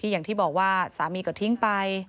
อย่างที่บอกว่าสามีก็ทิ้งไป